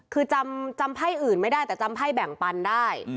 คือจำไพ่อื่นไม่ได้แต่จำไพ่แบ่งปันได้